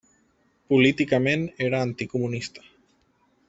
Políticament era anticomunista.